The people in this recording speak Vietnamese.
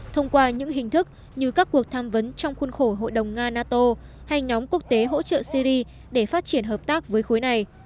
thông qua những hình thức như các cuộc tham vấn trong khuôn khổ hội đồng nga nato hay nhóm quốc tế hỗ trợ syri để phát triển hợp tác với khối này